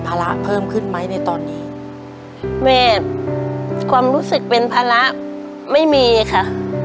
ระเพิ่มขึ้นไหมในตอนนี้แม่ความรู้สึกเป็นภาระไม่มีค่ะ